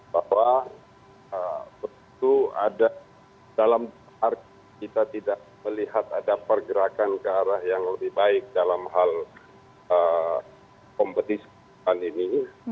bahwa dalam kita tidak melihat ada pergerakan ke arah yang lebih baik dalam hal kompetisi pandemi